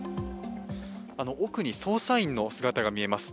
奥に捜査員の姿が見えます。